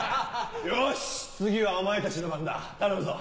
よし次はお前たちの番だ頼むぞ。